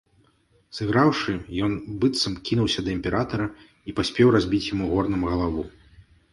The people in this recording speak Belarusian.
Сыграўшы, ён, быццам, кінуўся да імператара і паспеў разбіць яму горнам галаву.